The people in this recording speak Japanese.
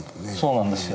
そうなんですよ。